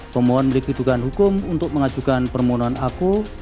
permohonan miliki kedudukan hukum untuk mengajukan permohonan aku